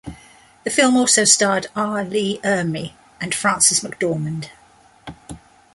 The film also starred R. Lee Ermey and Frances McDormand.